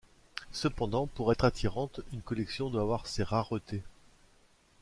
Cependant, pour être attirante, une collection doit avoir ses raretés.